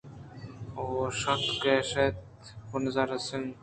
ءُ شَت کشّ اِتے بُز ءَ را سنگے